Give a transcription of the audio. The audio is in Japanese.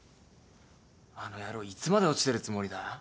あの野郎いつまで落ちてるつもりだ？